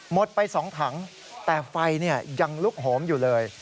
ไป๒ถังแต่ไฟยังลุกโหมอยู่เลย